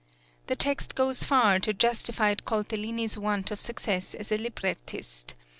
The text goes far to justify Coltellini's want of success as a librettist.